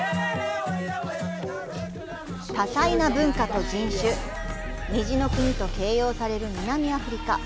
多彩な文化と人種「虹の国」と形容される南アフリカ。